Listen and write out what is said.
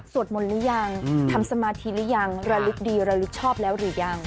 มนต์หรือยังทำสมาธิหรือยังระลึกดีระลึกชอบแล้วหรือยัง